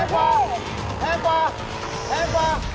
กว่าแพงกว่าแพงกว่า